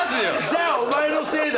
じゃあお前のせいだよ！